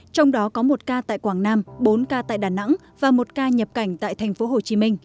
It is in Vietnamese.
trong đó có một ca tại quảng nam bốn ca tại đà nẵng và một ca nhập cảnh tại tp hcm